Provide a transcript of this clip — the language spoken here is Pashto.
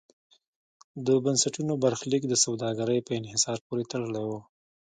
د بنسټونو برخلیک د سوداګرۍ په انحصار پورې تړلی و.